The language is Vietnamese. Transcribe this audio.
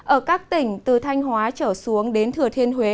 ở các tỉnh từ thanh hóa trở xuống đến thừa thiên huế